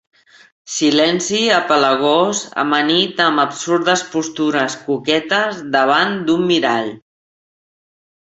Silenci apegalós amanit amb absurdes postures coquetes davant d'un mirall.